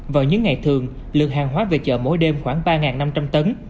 vào những ngày thường lượng hàng hóa về chợ mỗi đêm khoảng ba năm trăm linh tấn